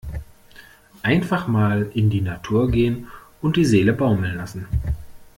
Einfach mal in die Natur gehen und die Seele baumeln lassen!